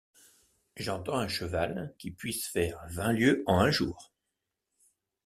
J’entends un cheval qui puisse faire vingt lieues en un jour.